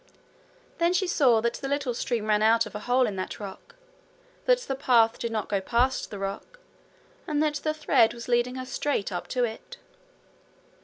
Then she saw that the little stream ran out of a hole in that rock, that the path did not go past the rock, and that the thread was leading her straight up to it.